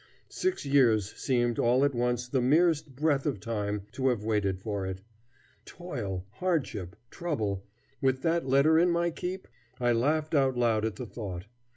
Six years seemed all at once the merest breath of time to have waited for it. Toil, hardship, trouble with that letter in my keep? I laughed out loud at the thought.